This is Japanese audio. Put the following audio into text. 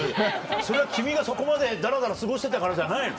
それは君がそこまでダラダラ過ごしてたからじゃないの？